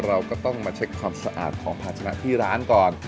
เราก็ต้องมาเช็คความสะอาดของภาชนะที่ร้านก่อน